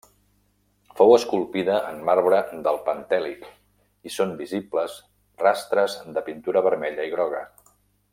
Fou esculpida en marbre del Pentèlic, i són visibles rastres de pintura vermella i groga.